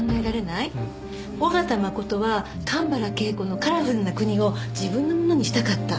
緒方真琴は神原恵子の『カラフルなくに』を自分のものにしたかった。